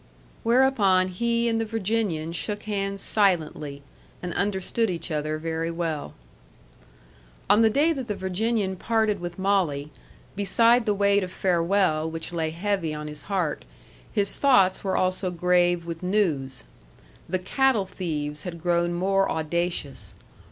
Whereupon he and the Virginian shook hands silently, and understood each other very well. On the day that the Virginian parted with Molly, beside the weight of farewell which lay heavy on his heart, his thoughts were also grave with news. The cattle thieves had grown more audacious.